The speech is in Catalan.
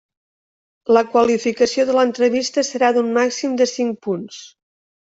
La qualificació de l'entrevista serà d'un màxim de cinc punts.